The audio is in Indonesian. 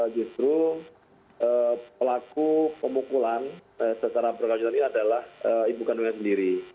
justru pelaku pemukulan secara berkelanjutan ini adalah ibu kandungnya sendiri